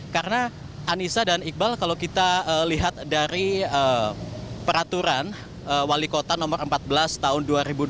karena anissa dan iqbal kalau kita lihat dari peraturan wali kota nomor empat belas tahun dua ribu dua puluh